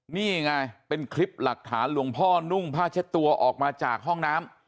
นี่ไงเป็นคลิปหลักฐานหลวงพ่อนุ่งผ้าเช็ดตัวออกมาจากห้องน้ำ